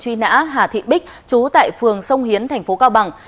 truy nã hà thị bích trú tại phường sông hiến tp cao bằng